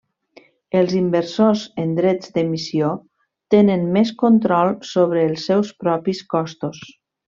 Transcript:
Els inversors en drets d'emissió tenen més control sobre els seus propis costos.